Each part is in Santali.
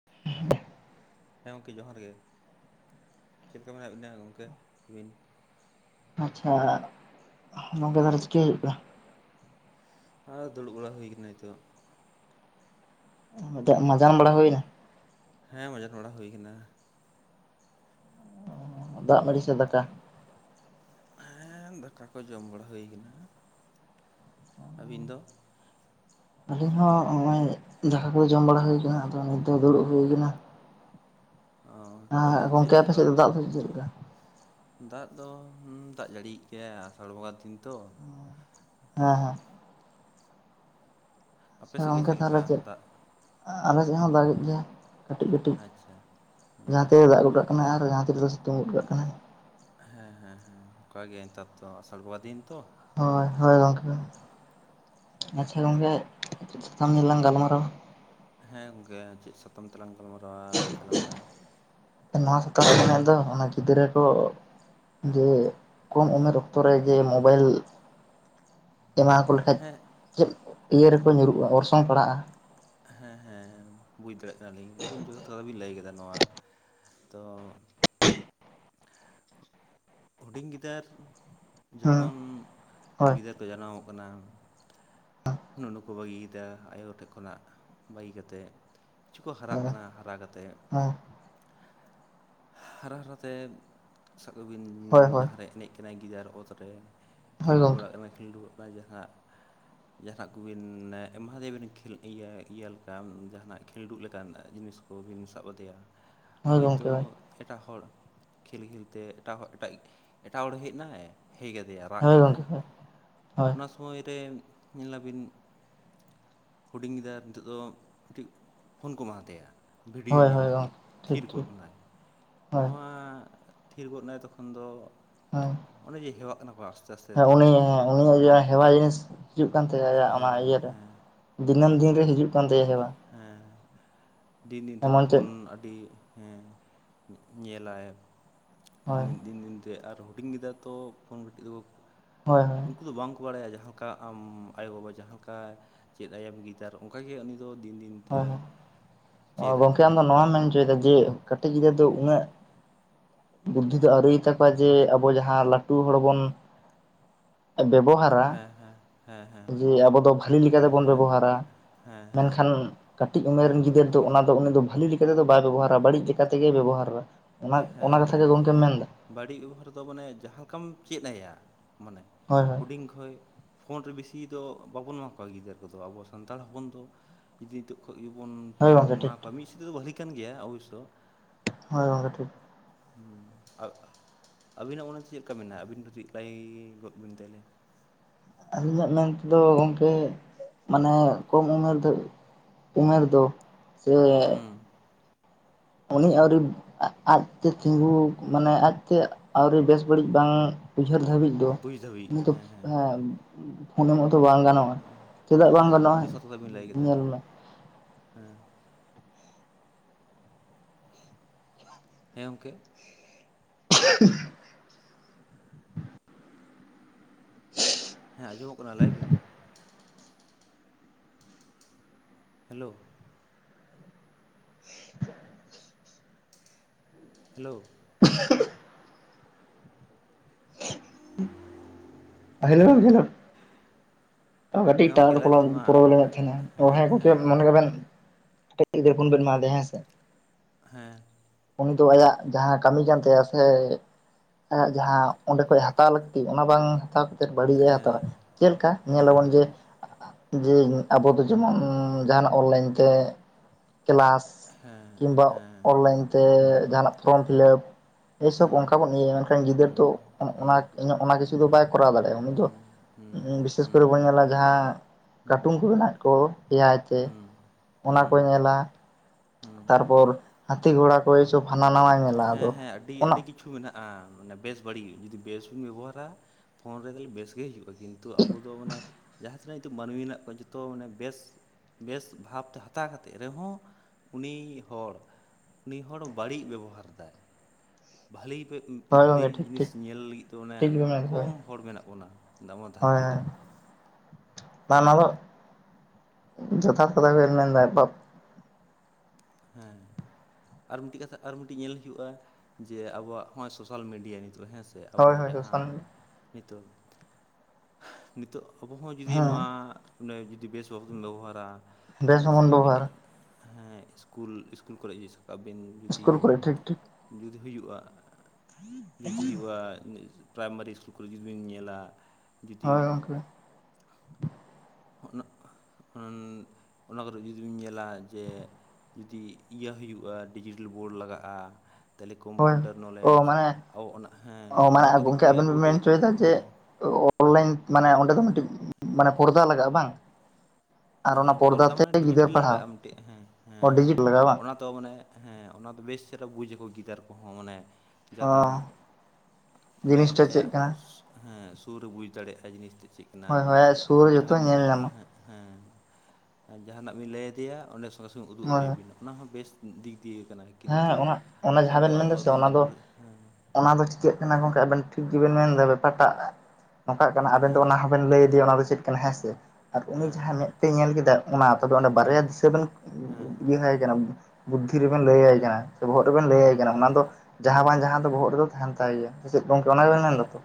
[inaudible] ᱦᱮᱸ ᱜᱚᱝᱠᱮ ᱡᱚᱦᱟᱨ ᱜᱮ, ᱪᱮᱫ ᱞᱮᱠᱟ ᱢᱮᱱᱟᱜ ᱵᱤᱱᱟ ᱜᱚᱢᱠᱮ ᱟᱹᱵᱤᱱ᱾ ᱟᱪᱪᱷᱟ ᱜᱚᱢᱠᱮ ᱛᱷᱟᱨᱮ ᱪᱤᱠᱟᱹᱭ ᱦᱩᱭᱩᱜ ᱟ ᱫᱩᱲᱩᱜ ᱵᱟᱲᱟ ᱦᱩᱭ ᱠᱟᱱᱟ ᱱᱤᱛᱚᱜ᱾ ᱢᱟᱡᱟᱱ ᱵᱟᱲᱟ ᱦᱩᱭᱱᱟ᱾ ᱦᱮᱸ ᱢᱟᱡᱟᱱ ᱵᱟᱲᱟ ᱦᱩᱭ ᱠᱟᱱᱟ᱾ ᱫᱟᱜ ᱢᱟᱹᱲᱤ ᱥᱮ ᱫᱟᱠᱟ᱾ ᱦᱮᱸ ᱫᱟᱠᱟ ᱠᱚ ᱡᱚᱢ ᱵᱟᱲᱟ ᱦᱩᱭ ᱠᱟᱱᱟ, ᱟᱹᱵᱤᱱ ᱫᱚ᱾ ᱟᱹᱞᱤᱧ ᱦᱚᱸ ᱚᱜᱼᱚᱭ ᱫᱟᱠᱟ ᱠᱚᱫᱚ ᱡᱚᱢ ᱵᱟᱲᱟ ᱦᱩᱭ ᱠᱟᱱᱟ ᱟᱫᱚ ᱱᱤᱛ ᱫᱚ ᱫᱩᱲᱩᱵ ᱦᱩᱭ ᱠᱟᱱᱟ᱾ ᱚ ᱛᱟᱦᱚᱞᱮ ᱟᱦᱟᱜ ᱪᱮᱫ ᱜᱚᱝᱠᱮ ᱟᱯᱮ ᱥᱮᱛᱟ ᱥᱮᱡ ᱫᱚ ᱫᱟᱜ ᱫᱚ ᱪᱮᱫ ᱞᱮᱠᱟ? ᱫᱟᱜ ᱫᱚ ᱫᱟᱜ ᱡᱟᱹᱲᱤᱭᱮᱜ ᱜᱮᱭᱟ ᱟᱥᱟᱲ ᱵᱚᱸᱜᱟ ᱫᱤᱱ ᱛᱚ᱾ ᱚ ᱦᱮᱸ ᱦᱮᱸ, ᱟᱯᱮ ᱥᱮ ᱥᱮᱫ ᱜᱮ ᱜᱚᱢᱠᱮ ᱞᱮᱠᱟ ᱛᱟᱦᱚᱞᱮ ᱪᱮᱫ? ᱫᱟᱜ ᱟᱞᱮ ᱥᱮᱫ ᱦᱚᱸ ᱫᱟᱜᱮᱜ ᱜᱮᱭᱟ ᱠᱟᱹᱴᱤᱡ ᱠᱟᱹᱴᱤᱡ ᱟᱪᱪᱷᱟ ᱡᱟᱦᱟᱸ ᱦᱩᱸ ᱛᱮ ᱫᱟᱜ ᱜᱚᱴᱟᱜ, ᱠᱟᱱᱟᱭ ᱟᱨ ᱡᱟᱦᱟᱸ ᱛᱤᱨᱮᱫᱚ ᱥᱤᱛᱩᱝ ᱜᱟᱜ ᱠᱟᱜ ᱠᱟᱱᱟᱭ᱾ ᱦᱮᱸ ᱦᱮᱸ ᱦᱮᱸ, ᱚᱱᱠᱟ ᱜᱮ ᱱᱮᱛᱟᱨ ᱫᱚ ᱟᱥᱟᱲ ᱵᱚᱣᱟ ᱫᱤᱱ ᱛᱚ᱾ ᱦᱳᱭ ᱦᱳᱭ ᱜᱚᱢᱠᱮ, ᱟᱪᱪᱷᱟ ᱜᱚᱢᱠᱮ ᱪᱮᱜ ᱥᱟᱛᱟᱢ ᱞᱤᱭᱮᱞᱟᱝ ᱜᱟᱞᱢᱟᱨᱟᱣᱟ᱾ ᱦᱮᱸ ᱜᱚᱢᱠᱮ ᱪᱮᱜ ᱥᱟᱛᱟᱢ ᱛᱮᱞᱟᱝ ᱜᱟᱞᱢᱟᱨᱟᱣᱟ ᱞᱟᱹᱭ ᱛᱟᱞᱟᱝ ᱢᱮ᱾ ᱱᱚᱣᱟ ᱥᱟᱛᱟᱢ ᱢᱮᱱᱮᱜ ᱫᱚ ᱚᱱᱟ ᱜᱤᱫᱽᱨᱟᱹ ᱠᱚ, ᱡᱮ ᱠᱚᱢ ᱩᱢᱮᱨ ᱚᱠᱛᱚ ᱨᱮ ᱡᱮ ᱢᱳᱵᱟᱭᱤᱞ, ᱮᱢᱟ ᱠᱚ, ᱠᱷᱟᱡ ᱦᱮᱸ ᱪᱮᱫ ᱤᱭᱟᱹ ᱨᱮᱠᱚ ᱧᱩᱨᱩᱜᱼᱟ ᱚᱨᱥᱚᱝ ᱯᱟᱲᱟᱜᱼᱟ᱾ ᱦᱮᱸ ᱦᱮᱸ ᱵᱩᱡᱽ ᱫᱟᱲᱮᱭᱟᱜ ᱠᱟᱱᱟᱞᱤᱧ ᱟᱹᱵᱤᱱ ᱡᱚᱛᱷᱟᱛ ᱠᱟᱛᱷᱟ ᱵᱤᱱ ᱞᱟᱹᱭ ᱠᱮᱫᱟ ᱱᱚᱣᱟ᱾ ᱛᱚ, ᱦᱩᱰᱤᱧ ᱜᱤᱫᱟᱹᱨ ᱦᱮᱸ ᱡᱚᱠᱷᱚᱱ ᱦᱳᱭ ᱜᱤᱫᱟᱹᱨ ᱠᱚ ᱡᱟᱱᱟᱢᱚᱜ ᱠᱟᱱᱟ᱾ ᱱᱩᱱᱩ ᱠᱚ ᱵᱟᱹᱜᱤᱭᱮᱫᱟ ᱟᱭᱳ ᱦᱚᱲ ᱴᱷᱮᱱ ᱠᱷᱚᱱᱟᱜ ᱵᱟᱹᱜᱤ ᱠᱟᱛᱮᱫ, ᱠᱤᱪᱷᱩ ᱠᱚ ᱦᱟᱨᱟᱜ ᱦᱮᱸ ᱠᱟᱱᱟ ᱦᱟᱨᱟ ᱠᱟᱛᱮᱫ, ᱦᱟᱨᱟ ᱦᱟᱨᱟᱛᱮ, ᱥᱟᱵᱠᱟᱵᱤᱱ ᱦᱳᱭ ᱦᱳᱭ ᱡᱟᱦᱟᱸᱨᱮ ᱮᱱᱮᱡ ᱠᱟᱱᱟᱭ ᱜᱤᱫᱟᱹᱨ ᱚᱛ ᱨᱮ ᱦᱳᱭ ᱠᱷᱮᱞᱰᱩ ᱜᱚᱢᱠᱮ ᱵᱟᱲᱟ ᱠᱟᱱᱟᱭ᱾ ᱠᱷᱤᱞᱰᱩ ᱵᱟᱡ ᱡᱟᱦᱟᱸ ᱡᱟᱦᱟᱱᱟᱜ ᱠᱚᱵᱤᱱ ᱮᱢᱟ ᱫᱮᱭᱟᱵᱤᱱ ᱤᱭᱟᱹ ᱤᱭᱟᱹ ᱞᱮᱠᱟ ᱡᱟᱦᱟᱱᱟᱜ ᱠᱷᱮᱞᱰᱩᱜ ᱞᱮᱠᱟᱱ ᱡᱤᱱᱤᱥ ᱠᱚ᱾ ᱠᱚ ᱵᱤᱱ ᱥᱟᱵ ᱟᱫᱮᱭᱟ ᱦᱳᱭ ᱜᱚᱢᱠᱮ ᱦᱚᱭᱛᱚ᱾ ᱦᱳᱭ ᱮᱴᱟᱜ ᱦᱚᱲ ᱠᱷᱮᱞ ᱠᱷᱮᱞᱛᱮ ᱮᱴᱟᱜ ᱮᱴᱟᱜ ᱮᱴᱟᱜ ᱦᱚᱲᱮ ᱦᱮᱡ ᱮᱱᱟᱭ ᱦᱮᱡ ᱠᱟᱫᱮᱭᱟ᱾ ᱨᱟᱜ ᱦᱳᱭ ᱜᱚᱢᱠᱮ ᱠᱮᱫᱟᱭ, ᱦᱳᱭ ᱦᱳᱭ ᱚᱱᱟ ᱥᱚᱢᱚᱭ ᱨᱮ ᱧᱮᱞᱟᱵᱤᱱ᱾ ᱦᱩᱰᱤᱧ ᱜᱤᱫᱟᱨ ᱱᱤᱛᱚᱜ ᱫᱚ ᱢᱤᱫᱴᱤᱡ ᱯᱷᱳᱱ ᱠᱚ ᱮᱢᱟ ᱦᱟ ᱫᱮᱭᱟ᱾ ᱵᱷᱤᱰᱤᱭᱳ ᱦᱳᱭ ᱧᱮᱞ ᱦᱳᱭ ᱞᱟᱹᱜᱤᱫ ᱜᱚᱢᱠᱮ ᱴᱷᱤᱠ ᱛᱷᱤᱨ ᱴᱷᱤᱠ ᱜᱚᱫ ᱱᱟᱭ ᱦᱳᱭ ᱱᱚᱣᱟ, ᱛᱷᱤᱨ ᱜᱚᱫ ᱱᱟᱭ ᱛᱚᱠᱷᱚᱱ ᱫᱚ ᱦᱳᱭ ᱚᱱᱮ ᱡᱮ ᱦᱮᱣᱟᱜ ᱠᱟᱱᱟ ᱠᱚ ᱟᱥᱛᱮ ᱟᱥᱛᱮ, ᱦᱮᱸ ᱛᱮ ᱩᱱᱤ ᱦᱮᱸ ᱩᱱᱤᱭᱟᱜ ᱦᱮᱸ ᱡᱟᱦᱟᱸ ᱦᱮᱣᱟ ᱡᱤᱱᱤᱥ, ᱦᱤᱡᱩᱜ ᱠᱟᱱ ᱛᱟᱭᱟ ᱟᱭᱟᱜ ᱚᱱᱟ ᱦᱮᱸ ᱤᱭᱟᱹ ᱨᱮ ᱦᱮᱸ ᱫᱤᱱᱟᱹᱢ ᱦᱮᱸ ᱫᱤᱱ ᱨᱮ ᱦᱤᱡᱩᱜ ᱠᱟᱱ ᱛᱟᱭᱟ ᱦᱮᱣᱟ᱾ ᱦᱮᱸ ᱫᱤᱱ ᱫᱤᱱᱛᱮ ᱮᱢᱚᱱ ᱪᱮᱫ ᱯᱷᱳᱱ ᱟᱹᱰᱤ ᱦᱮᱸ, ᱧᱮᱞᱟᱭ ᱦᱳᱭ ᱫᱤᱱ ᱫᱤᱱᱛᱮ ᱟᱨ ᱦᱩᱰᱤᱧ ᱜᱤᱫᱟᱨ, ᱛᱚ ᱯᱷᱳᱱ ᱠᱟᱹᱴᱤᱡ ᱫᱚᱠᱚ ᱦᱳᱭ ᱦᱳᱭ ᱩᱱᱠᱩ ᱫᱚ ᱵᱟᱝ ᱠᱚ ᱵᱟᱲᱟᱭᱟ ᱡᱟᱦᱟᱸ ᱞᱮᱠᱟ ᱟᱢ, ᱟᱭᱳᱼᱵᱟᱵᱟ ᱡᱟᱦᱟᱸ ᱞᱮᱠᱟ ᱪᱮᱫ ᱟᱭᱟᱢ ᱜᱤᱫᱟᱨ ᱚᱱᱠᱟᱜ ᱜᱮ ᱩᱱᱤ ᱫᱚ ᱫᱤᱱ ᱫᱤᱱ, ᱦᱳᱭ ᱦᱳ, ᱜᱚᱢᱠᱮ ᱟᱢᱫᱚ ᱱᱚᱣᱟᱢ ᱢᱮᱱ ᱦᱚᱪᱚᱭᱮᱫᱟ ᱡᱮ ᱠᱟᱹᱴᱤᱡ ᱜᱤᱫᱽᱨᱟᱹ ᱫᱚ ᱩᱱᱟᱹᱜ, ᱵᱩᱫᱽᱫᱷᱤ ᱫᱚ ᱟᱹᱣᱨᱤ ᱟᱛᱟᱠᱚᱣᱟ ᱡᱮ ᱟᱵᱚ ᱡᱟᱦᱟᱸ ᱞᱟᱹᱴᱩ ᱦᱚᱲ ᱵᱚᱱ, ᱵᱮᱵᱚᱦᱟᱨ, ᱟ, ᱦᱮᱸ ᱦᱮᱸ ᱦᱮᱸ ᱦᱮᱸ ᱡᱮ ᱟᱵᱚ ᱫᱚ ᱵᱷᱟᱞᱤ ᱞᱮᱠᱟ ᱦᱮᱸ ᱛᱮᱵᱚᱱ ᱦᱮᱸ ᱵᱮᱵᱚᱦᱟᱨᱟ ᱦᱮᱸ ᱦᱮᱸ ᱢᱮᱱᱠᱷᱟᱱ? ᱠᱟᱹᱴᱤᱡ ᱩᱢᱮᱨ ᱨᱮᱱ ᱦᱮᱸ ᱜᱤᱫᱟᱹᱨ ᱫᱚ ᱚᱱᱟ ᱫᱚ ᱩᱱᱤ ᱫᱚ ᱵᱷᱟᱹᱞᱤ ᱞᱮᱠᱟ ᱛᱮᱫᱚ ᱵᱟᱭ ᱵᱮᱵᱚᱦᱟᱨᱟ ᱵᱟᱹᱲᱤᱡ ᱞᱮᱠᱟ ᱛᱮᱜᱮ ᱵᱮᱵᱚᱦᱟᱨᱟ᱾ ᱚᱱᱟ ᱦᱮᱸ ᱚᱱᱟ ᱠᱟᱛᱷᱟ ᱜᱮ ᱦᱮᱸ ᱜᱚᱢᱠᱮᱢ ᱢᱮᱱᱫᱟ ᱵᱟᱹᱲᱤᱡ ᱵᱮᱵᱟᱨ ᱫᱚ ᱢᱟᱱᱮ ᱡᱟᱦᱟᱸ ᱞᱮᱠᱟᱢ ᱪᱮᱫ ᱟᱭᱟ ᱢᱟᱱᱮᱼᱼ ᱦᱳᱭ ᱦᱳᱭ ᱦᱩᱰᱤᱧ ᱠᱷᱚᱡ ᱯᱷᱳᱱ ᱨᱮ ᱵᱮᱥᱤ ᱫᱚ ᱵᱟᱵᱚᱱ ᱮᱢᱟ ᱠᱚᱣᱟ ᱜᱤᱫᱟᱹᱨ ᱠᱚᱫᱚ ᱟᱵᱚ ᱥᱟᱱᱛᱟᱲ ᱦᱚᱯᱚᱱ ᱫᱚᱼᱼ ᱡᱩᱫᱤ ᱱᱤᱛᱚᱜ ᱠᱷ ᱜᱮᱵᱚᱱ ᱦᱳᱭ ᱯᱷᱳᱱ ᱜᱚᱢᱠᱮ ᱵᱚᱱ ᱴᱷᱤᱠ ᱮᱢᱟ ᱴᱷᱤᱠ ᱠᱚᱣᱟ ᱢᱤᱫ ᱥᱮᱫ ᱛᱮᱫᱚ ᱵᱷᱟᱹᱞᱤ ᱠᱟᱱ ᱜᱮᱭᱟ ᱚᱵᱚᱥᱚᱼᱼ ᱦᱳᱭ ᱜᱚᱢᱠᱮ ᱴᱷᱤᱠ ᱦᱩᱸ ᱟ [unintelligible] ᱟᱹᱵᱤᱱᱟᱜ ᱚᱱᱟᱮ ᱪᱮᱫ ᱞᱮᱠᱟ ᱢᱮᱱᱟᱜᱼᱟ ᱟᱹᱵᱤᱱ ᱪᱤᱡ ᱞᱟᱹᱭ ᱜᱚᱜ ᱵᱤᱱ ᱛᱟᱦᱚᱞᱮ? ᱟᱹᱞᱤᱧᱟᱜ ᱢᱮᱱ ᱛᱮᱫᱚ ᱜᱚᱢᱠᱮ ᱢᱟᱱᱮ ᱠᱚᱢ ᱩᱢᱮᱨ ᱫᱚᱼᱼ ᱩᱢᱮᱨ ᱫᱚ ᱡᱮᱼᱼ ᱦᱩᱸ ᱩᱱᱤ ᱟᱹᱣᱨᱤ ᱟᱡᱛᱮ ᱛᱤᱸᱜᱩ ᱢᱟᱱᱮ ᱟᱡᱛᱮ ᱟᱹᱣᱨᱤ ᱵᱮᱥ ᱵᱟᱹᱲᱤᱡ ᱵᱟᱝᱼᱼ ᱩᱡᱦᱟᱹᱨ ᱫᱷᱟᱹᱵᱤᱡ ᱫᱚ ᱵᱩᱡᱽ ᱫᱷᱟᱹᱵᱤᱡ ᱦᱮᱸ [inaudible] ᱚᱱᱟ ᱯᱷᱱᱮ ᱛᱚ ᱵᱟᱝ ᱜᱟᱱᱚᱜᱼᱟ ᱦᱮᱸ ᱪᱮᱫᱟᱜ ᱵᱟᱝ ᱦᱮᱸ ᱜᱟᱱᱚᱜᱼᱟ ᱡᱚᱛᱷᱟᱛ ᱠᱟᱛᱷᱟ ᱵᱤᱱ ᱞᱟᱹᱭ ᱠᱮᱫᱟ ᱧᱮᱞ ᱢᱮᱼᱼ ᱦᱮᱸ ᱦᱮᱸ ᱜᱚᱢᱠᱮ? [unintelligible] ᱦᱮᱸ ᱟᱸᱡᱚᱢᱚᱜ ᱠᱟᱱᱟ ᱞᱟᱹᱭ ᱵᱤᱱ? ᱦᱮᱞᱳ ᱦᱮᱞᱳ [unintelligible] ᱦᱮᱞᱳ ᱦᱮᱞᱳ ᱠᱟᱹᱴᱤᱡ ᱦᱮᱸ ᱜᱚᱢᱠᱮ ᱴᱟᱣᱟᱨ ᱞᱟᱹᱭ ᱵᱤᱱ ᱢᱟ ᱯᱨᱚᱵᱞᱮᱢ ᱛᱟᱦᱮᱱ ᱚ ᱦᱮᱸ ᱜᱳᱢᱠᱮ ᱦᱮᱸ ᱢᱚᱱᱮ ᱦᱮᱸ ᱠᱚᱜᱵᱮᱱ ᱼᱼ ᱡᱚᱠᱷᱚᱱ ᱵᱮᱱ ᱮᱢᱟ ᱫᱮᱭᱟ ᱦᱮᱸᱥᱮ ᱦᱮᱸ ᱩᱱᱤ ᱫᱚ ᱟᱭᱟᱜ ᱡᱟᱦᱟᱸ ᱠᱟᱹᱢᱤ ᱠᱟᱱ ᱛᱟᱭᱟ ᱥᱮ ᱮ ᱡᱟᱦᱟᱸ ᱚᱸᱰᱮ ᱠᱷᱚᱡ ᱦᱟᱛᱟᱣ ᱞᱟᱹᱠᱛᱤ ᱚᱱᱟ ᱵᱟᱝ ᱦᱟᱛᱟᱣᱼᱼ ᱵᱟᱹᱲᱤᱡᱟ ᱦᱟᱛᱟᱣᱟ ᱦᱮᱸ ᱪᱮᱫ ᱞᱮᱠᱟ ᱦᱮᱸ ᱧᱮᱞᱟᱵᱚᱱ ᱦᱮᱸ ᱡᱮᱼᱼ ᱡᱮ ᱟᱵᱚ ᱫᱚ ᱡᱮᱢᱚᱱ ᱡᱟᱦᱟᱸᱱᱟᱜ ᱚᱱᱞᱟᱭᱤᱱ ᱛᱮ ᱠᱮᱞᱟᱥ ᱦᱮᱸ ᱠᱤᱵᱟ ᱦᱮᱸ ᱚᱱᱞᱟᱭᱤᱱᱼᱼ ᱦᱩᱸ ᱡᱟᱦᱟᱸᱱᱟᱜ ᱯᱷᱨᱚᱢ ᱯᱷᱤᱞᱟᱯ ᱮᱥᱚᱵ ᱦᱩᱸ ᱚᱱᱠᱟ ᱵᱚᱱ ᱤᱭᱟᱹᱭᱟ ᱢᱮᱱᱠᱷᱟᱱ ᱜᱤᱫᱟᱹᱨ ᱦᱩᱸ ᱫᱚ ᱦᱩᱸ ᱚᱱᱟ ᱤᱧᱟᱹᱜ ᱚᱱᱟ ᱠᱤᱪᱷᱩ ᱫᱚ ᱵᱟᱭ ᱠᱚᱨᱟᱣ ᱫᱟᱲᱮᱭᱟᱜᱼᱟ ᱩᱱᱤ ᱫᱚ ᱦᱩᱸ ᱦᱩᱸ ᱵᱤᱥᱮᱥᱼᱼ ᱟᱹᱛᱳ ᱨᱮᱵᱚᱱ ᱦᱩᱸ ᱧᱮᱞᱟ ᱡᱟᱦᱟᱸ ᱠᱟᱨᱴᱩᱱ ᱠᱚ ᱵᱮᱱᱟᱜ ᱠᱚ ᱮᱭᱟᱭ ᱛᱮ ᱦᱩᱸ ᱦᱩᱸ ᱚᱱᱟ ᱦᱩᱸ ᱠᱚᱭ ᱧᱮᱞᱟ ᱦᱩᱸ ᱛᱟᱨᱯᱚᱨ ᱦᱟᱹᱛᱤ ᱜᱷᱳᱚᱲᱟ ᱠᱚ ᱮ ᱥᱚᱵ ᱦᱟᱱᱟ ᱱᱟᱣᱟ ᱦᱮᱸ ᱦᱮᱸ ᱟᱹᱰᱤ ᱟᱹᱰᱤ ᱜᱤᱼᱼ ᱠᱤᱪᱷᱩ ᱢᱮᱱᱟᱜᱼᱟ ᱚᱱᱮ ᱵᱮᱥ ᱵᱟᱹᱲᱤᱡᱼᱟ ᱡᱩᱫᱤ ᱵᱮᱥ ᱵᱤᱱ ᱵᱮᱵᱚᱦᱟᱨᱟ ᱯᱷᱳᱱ ᱨᱮ ᱛᱟᱦᱚᱞᱮ ᱵᱮᱥ ᱜᱮ ᱦᱤᱡᱼᱟ ᱠᱤᱱᱛᱩ ᱟᱵᱚ ᱫᱚ ᱢᱟᱱᱮ ᱡᱟᱦᱟᱸ ᱛᱤᱱᱟᱹᱜ ᱱᱤᱛᱚᱜ ᱢᱟᱹᱱᱢᱤ ᱢᱮᱱᱟᱜᱮ ᱠᱚᱣᱟ ᱡᱚᱛᱚ ᱢᱟᱱᱮ ᱵᱮᱥᱼᱼ ᱵᱮᱥ ᱵᱷᱟᱵᱽ ᱛᱮ ᱦᱟᱛᱟᱣ ᱠᱟᱛᱮᱫ ᱨᱮᱦᱚᱸ ᱩᱱᱤ ᱦᱚᱲ, ᱩᱱᱤ ᱦᱚᱲ ᱵᱟᱹᱲᱤᱡ ᱵᱮᱵᱚᱦᱟᱨᱫᱟᱭ ᱵᱷᱟᱹᱞᱤ ᱦᱳᱭ ᱵᱷᱟᱹᱞᱤ ᱜᱚᱝᱠᱮ ᱴᱷᱤᱠ ᱡᱤᱱᱤᱥ ᱴᱷᱤᱠ ᱧᱮᱞ ᱞᱟᱹᱜᱤᱫ ᱫᱚ ᱚᱱᱮ ᱴᱷᱤᱠ ᱜᱮ ᱢᱮᱱ ᱦᱳᱭ ᱠᱚᱢ ᱦᱚᱲ ᱢᱮᱱᱟᱜ ᱵᱚᱱᱟ ᱱᱚᱣᱟ ᱫᱷᱟᱹᱨᱛᱤ ᱨᱮ᱾ ᱵᱟ ᱱᱚᱣᱟ ᱫᱚ ᱡᱚᱛᱷᱟᱛ ᱠᱟᱛᱷᱟ ᱵᱮᱱ ᱢᱮᱱ ᱫᱟ ᱛᱚ ᱦᱮᱸ ᱟᱨ ᱢᱤᱫᱴᱤᱡ ᱠᱟᱛᱷᱟ ᱟᱨ ᱢᱤᱫᱴᱮᱱ ᱧᱮᱞ ᱦᱩᱭᱩᱜᱼᱟ ᱡᱮ ᱟᱵᱚᱣᱟᱜ ᱦᱚᱸᱜᱼᱚᱭ ᱥᱳᱥᱟᱞ ᱢᱤᱰᱤᱭᱟ ᱱᱤᱛᱚᱜ ᱦᱮᱸ ᱥᱮ ᱛᱮ ᱟᱵᱚ ᱦᱳᱭ ᱦᱳᱭ ᱥᱳᱥᱟᱞ ᱡᱟᱦᱟᱸ ᱱᱤᱛᱚᱜᱼᱼ ᱱᱤᱛᱚᱜ ᱟᱵᱚ ᱦᱚᱸ ᱡᱩᱫᱤ ᱦᱮᱸ ᱱᱚᱣᱟ ᱱᱟᱹᱭ ᱡᱩᱫᱤ ᱵᱮᱥ ᱵᱟᱵᱩᱱ ᱵᱚᱱ ᱵᱮᱵᱚᱦᱟᱨᱟ ᱵᱮᱥ ᱥᱟᱨ ᱦᱚᱸᱵᱚᱱ ᱟᱵᱤᱱᱤ ᱵᱮᱵᱚᱦᱟᱨᱟ ᱦᱮᱸ ᱤᱥᱠᱩᱞ ᱤᱥᱠᱩᱞ ᱠᱚᱨᱮᱼᱼ ᱟᱵᱮᱱ ᱤᱥᱠᱩᱞ ᱡᱩᱫᱤᱼᱼ ᱠᱚᱨᱮ ᱴᱷᱤᱠ ᱴᱷᱤᱠ ᱡᱩᱫᱤ ᱦᱩᱭᱩᱜᱼᱟ ᱡᱩᱫᱤ ᱵᱟ ᱱᱤᱨ ᱯᱨᱟᱭᱢᱟᱨᱤ ᱤᱥᱠᱩᱞ ᱠᱚᱨᱮ ᱡᱩᱫᱤ ᱵᱤᱱ ᱧᱮᱞᱟ, ᱦᱳᱭ ᱡᱩᱫᱤ ᱜᱚᱝᱠᱮ᱾ ᱚᱱᱟ ᱠᱚᱨᱮ ᱡᱩᱫᱤ ᱧᱮᱞᱟ ᱡᱮᱼᱼ ᱡᱩᱫᱤ ᱤᱭᱟᱹ ᱦᱩᱭᱩᱜᱼᱟ ᱰᱤᱡᱤᱴᱮᱞ ᱵᱳᱰ ᱞᱟᱜᱟᱜᱼᱟ᱾ ᱛᱟᱦᱚᱞᱮ ᱦᱳᱭ ᱠᱚᱢᱯᱤᱭᱩᱴᱟᱨ ᱚ ᱱᱚᱞᱮᱡᱽ ᱢᱟᱱᱮ ᱟᱵᱚ ᱚᱱᱟ ᱦᱮᱸ ᱚ ᱢᱟᱱᱮ ᱚᱱᱟ ᱠᱚ ᱫᱤᱠ ᱜᱚᱝᱠᱮ ᱫᱤᱭᱮ ᱟᱵᱮᱱ ᱵᱮᱱ ᱢᱮᱱ ᱟᱵᱚᱴᱤᱡ ᱦᱚᱪᱚᱭᱮᱫᱟ ᱡᱮ ᱦᱮᱸ ᱚᱱᱞᱟᱭᱤᱱ ᱢᱟᱱᱮ ᱚᱸᱰᱮ ᱫᱚ ᱢᱤᱫᱴᱤᱡ ᱢᱟᱱᱮ ᱯᱚᱨᱫᱟ ᱞᱟᱜᱟᱜᱼᱟ ᱵᱟᱝ? ᱟᱨ ᱚᱱᱟ ᱦᱮᱸ ᱯᱚᱨᱫᱟ ᱯᱚᱨᱚᱛᱟᱢ ᱛᱮ ᱢᱟᱱᱮ ᱜᱤᱫᱟᱹᱨ ᱰᱤᱡᱤᱴᱮᱞ ᱯᱟᱲᱦᱟᱣ ᱞᱟᱜᱟᱜᱼᱟ ᱢᱤᱫᱴᱮᱡ ᱦᱮᱸ ᱦᱮᱸ ᱦᱮᱸ ᱰᱤᱡᱤᱴ ᱞᱟᱜᱟᱜᱼᱟ ᱵᱟᱝ ᱚᱱᱟ ᱛᱚ ᱢᱟᱱᱮ ᱦᱮᱸ ᱚᱱᱟᱫᱚ ᱵᱮᱥ ᱪᱮᱦᱨᱟ ᱵᱩᱡ ᱟᱠᱚ ᱜᱤᱫᱟᱹᱨ ᱠᱚᱦᱚᱸ ᱢᱟᱱᱮ ᱚ ᱡᱟᱛᱮ ᱢᱟᱱᱮ ᱡᱤᱱᱤᱥᱴᱟ ᱪᱮᱫ ᱟᱭᱟᱜ ᱠᱟᱱᱟ ᱥᱩ ᱦᱮᱸ ᱥᱩᱨ ᱨᱮ ᱵᱩᱡᱽ ᱫᱟᱲᱮᱭᱟᱜ-ᱟ ᱡᱤᱱᱤᱥ ᱫᱚ ᱪᱤ ᱠᱟᱱᱟ ᱦᱳᱭ ᱦᱳᱭ ᱟᱡ ᱥᱩᱨ ᱨᱮ ᱡᱚᱛᱚ ᱡᱟᱦᱟᱸᱵᱤᱱᱟᱹ ᱧᱮᱞ ᱧᱟᱢᱟ ᱦᱮᱸᱦᱮᱸ ᱡᱟᱦᱟᱸᱱᱟᱜ ᱵᱤᱱ ᱞᱟᱹᱭ ᱟᱫᱟᱭᱟ ᱚᱸᱰᱮ ᱥᱚᱸᱜᱮ ᱥᱚᱸᱜᱮ ᱩᱫᱩᱜ ᱦᱮᱸ ᱟᱫᱮᱭᱟᱵᱤᱱ ᱚᱱᱟ ᱦᱚᱸ ᱵᱮᱥ ᱫᱤᱠ ᱫᱤᱭᱮ ᱠᱟᱱᱟ᱾ ᱠᱤᱱᱛᱩ ᱚᱱᱟ ᱚᱱᱟ ᱱᱚᱝᱠᱟ ᱡᱟᱦᱟᱸ ᱫᱚ ᱵᱮᱱ ᱢᱮᱱᱫᱟ ᱟᱵᱚᱣᱟᱜ ᱥᱮ ᱚᱱᱟ ᱫᱚ ᱯᱩᱨ ᱦᱮᱸ ᱚᱱᱟ ᱫᱚ ᱪᱤᱠᱟᱹᱜ ᱠᱟᱱᱟ ᱜᱚᱝᱠᱮ ᱟᱵᱮᱱ ᱴᱷᱤᱠ ᱜᱮᱵᱮᱱ ᱢᱮᱱᱫᱟ ᱵᱮᱯᱟᱨᱴᱟᱜ ᱱᱚᱝᱠᱟᱜ ᱠᱟᱱᱟ ᱟᱵᱮᱱ ᱫᱚ ᱦᱮᱸ ᱚᱱᱟ ᱦᱚᱸᱵᱮᱱ ᱞᱟᱹᱭ ᱟᱫᱮᱭᱟ ᱚᱱᱟ ᱫᱚ ᱪᱮᱫ ᱠᱟᱱᱟ ᱦᱮᱸ ᱥᱮ ᱟᱨ ᱩᱱᱤ ᱡᱟᱦᱟᱸᱭ ᱢᱮ ᱩᱱᱤ ᱧᱮᱞ ᱠᱮᱫᱟ ᱚᱱᱟ ᱫᱚ ᱵᱟᱨᱭᱟ ᱦᱮᱸ ᱫᱤᱥᱟᱹ ᱵᱮᱱ ᱦᱮᱸ ᱤᱭᱟᱹ ᱠᱟᱱᱟ ᱵᱩᱫᱷᱤ, ᱨᱮᱵᱮᱱ ᱞᱟᱹᱭ ᱟᱭ ᱦᱮᱸ ᱠᱟᱱᱟ ᱵᱷᱚᱦᱚᱜ ᱨᱮᱵᱮᱱ ᱞᱟᱹᱭ ᱦᱮᱸ ᱟᱭ ᱠᱟᱱᱟ ᱚᱱᱟ ᱫᱚ ᱡᱟᱦᱟᱸ ᱦᱮᱸ ᱵᱟᱝ ᱡᱟᱦᱟᱸ ᱫᱚ ᱵᱷᱚᱦᱚᱜ ᱨᱮᱫᱚ ᱛᱟᱦᱮᱱ ᱛᱟᱭ ᱜᱮᱭᱟ᱾ ᱥᱮ ᱪᱮᱫ ᱜᱚᱝᱠᱮ ᱚᱱᱟ ᱦᱮᱸ ᱜᱮ ᱵᱮᱱ ᱦᱮᱸ ᱢᱮᱱ ᱫᱟᱛᱚ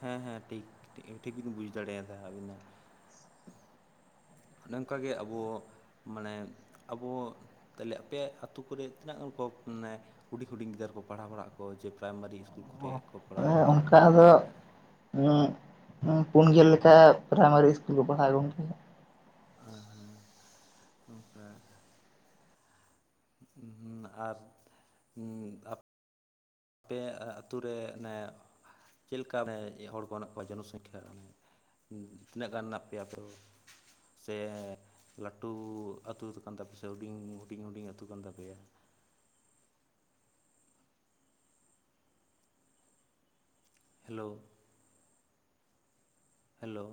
ᱦᱮᱸ ᱦᱮᱸ ᱴᱷᱤᱠ ᱴᱷᱤᱠ ᱵᱤᱱ ᱵᱩᱡ ᱫᱟᱲᱮᱭᱟ ᱟᱹᱵᱤᱱ ᱦᱚᱸ᱾ ᱚᱱᱮ ᱚᱱᱠᱟᱜᱮ ᱟᱵᱚ ᱢᱟᱱᱮ ᱟᱵᱚ ᱛᱟᱦᱚᱞᱮ ᱟᱯᱮ ᱟᱹᱛᱳ ᱠᱚᱨᱮ ᱛᱤᱱᱟᱹᱜ ᱜᱟᱱ ᱠᱚ ᱢᱟᱱᱮ ᱦᱩᱰᱤᱧ ᱦᱩᱰᱤᱧ ᱜᱤᱫᱨᱟᱹᱨ ᱠᱚ ᱯᱟᱲᱦᱟᱣ ᱵᱟᱲᱟᱜ ᱟᱠ ᱠᱚ ᱡᱮ ᱯᱨᱟᱭᱢᱟᱨᱤ ᱤᱥ ᱠᱩᱞ ᱠᱚᱨᱮ ᱠᱚ ᱯᱟᱲᱟᱣ ᱵᱟᱲᱟᱜ-ᱟ᱾ ᱚᱱᱠᱟ ᱫᱚ ᱯᱩᱱ ᱜᱮᱞ ᱞᱮᱠᱟ ᱯᱨᱟᱭᱢᱟᱨᱤ ᱤᱥᱠᱩᱞ ᱠᱚ ᱯᱟᱲᱦᱟᱣ ᱜᱚᱝᱠᱮ᱾ ᱟᱨ ᱱᱚᱝᱠᱟ ᱟᱨ ᱦᱩᱸᱟᱯ ᱟᱯᱮ ᱟᱹᱛᱩ ᱨᱮ ᱚᱱᱮ ᱪᱮᱞ ᱞᱮᱠᱟ ᱦᱚᱲ ᱠᱚ ᱢᱮᱱᱟᱜ ᱠᱚᱣᱟ ᱡᱚᱱᱚᱥᱚᱝᱠᱷᱟ? ᱛᱤᱱᱟᱹᱜ ᱜᱟᱱ ᱢᱮᱱᱟᱜ ᱯᱮ ᱯᱩᱨᱩ ᱥᱮ ᱞᱟᱹᱴᱩ ᱟᱹᱛᱩ ᱠᱟᱱ ᱛᱟᱯᱮᱭᱟ ᱥᱮ ᱦᱩᱰᱤᱧ ᱦᱩᱰᱤᱧ ᱦᱩᱰᱤᱧ ᱟᱹᱛᱩ ᱠᱟᱱ ᱛᱟᱯᱮᱭᱟ ᱦᱮᱞᱳ ᱦᱮᱞᱳ